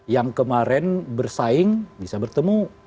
yang kemarin bersaing bisa bertemu